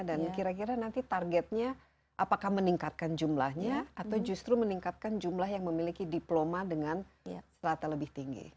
dan kira kira nanti targetnya apakah meningkatkan jumlahnya atau justru meningkatkan jumlah yang memiliki diploma dengan serata lebih tinggi